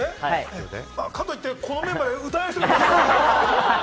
かといってこのメンバーで歌える人がいない。